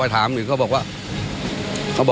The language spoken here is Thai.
อย่างที่เราเห็นไหมเคาร์